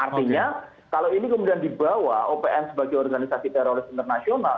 artinya kalau ini kemudian dibawa opm sebagai organisasi teroris internasional